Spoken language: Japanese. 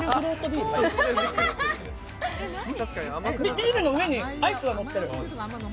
ビールの上にアイスがのってる。